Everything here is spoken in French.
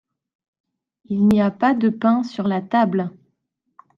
Il n'y a pas de pain sur la table.